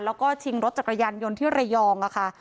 แล้วก็ชิงรถจักรยานยนต์ที่ระยองค่ะ